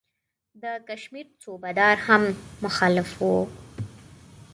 د کشمیر صوبه دار هم مخالف وو.